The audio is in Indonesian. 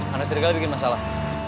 anak serigala bikin masalah